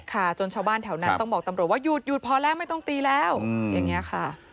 จนชาวบ้านแถวนั้นต้องบอกตำรวจว่าหยุดหยุดพอแล้วไม่ต้องตีแล้วอย่างนี้ค่ะ